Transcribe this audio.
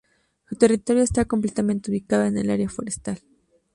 Su territorio está completamente ubicado en el área forestal.